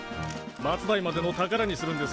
末代までの宝にするんですか？